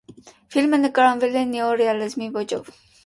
Ֆիլմը նկարահանվել է նեոռեալիզմի ոճով։